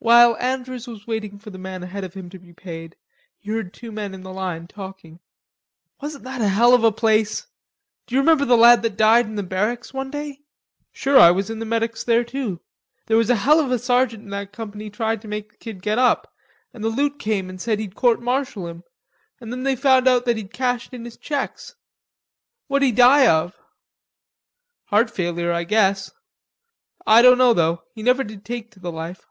While Andrews was waiting for the man ahead of him to be paid, he heard two men in the line talking. "Wasn't that a hell of a place? D'you remember the lad that died in the barracks one day?" "Sure, I was in the medicks there too. There was a hell of a sergeant in that company tried to make the kid get up, and the loot came and said he'd court martial him, an' then they found out that he'd cashed in his checks." "What'd 'ee die of?" "Heart failure, I guess. I dunno, though, he never did take to the life."